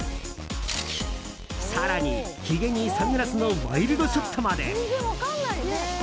更に、ひげにサングラスのワイルドショットまで。